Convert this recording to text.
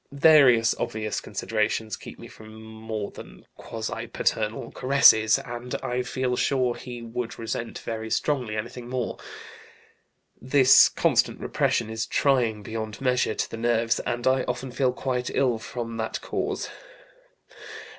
Various obvious considerations keep me from more than quasi paternal caresses, and I feel sure he would resent very strongly anything more. This constant repression is trying beyond measure to the nerves, and I often feel quite ill from that cause.